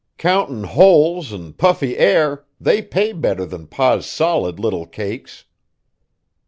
Countin' holes an' puffy air, they pay better than Pa's solid little cakes."